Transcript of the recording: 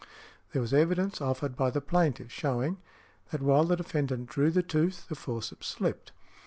There was evidence offered by the plaintiff showing, that while the defendant drew the tooth, the forceps slipped.